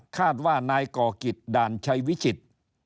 คาดว่านายกกิจดานชัยวิชิต